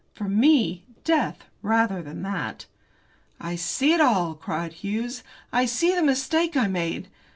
For me, death rather than that. "I see it all," cried Hughes, "I see the mistake I made.